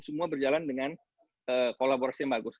semua berjalan dengan kolaborasi yang bagus